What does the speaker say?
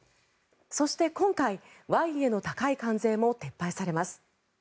そして今回、ワインへの高い関税も撤廃されます。